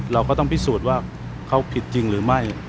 เราก็ต้องพิสูจน์ว่าเขาผิดจริงหรือไม่